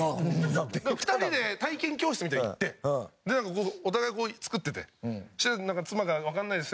２人で体験教室みたいなの行ってお互いこう作っててそしたらなんか妻が「わかんないです」